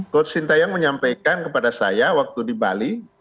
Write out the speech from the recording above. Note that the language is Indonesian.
coach sintayong menyampaikan kepada saya waktu di bali